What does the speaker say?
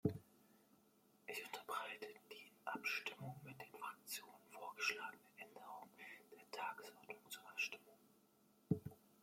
Ich unterbreite die in Abstimmung mit den Fraktionen vorgeschlagenen Änderungen der Tagesordnung zur Abstimmung.